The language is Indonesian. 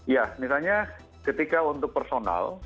ya misalnya ketika untuk personal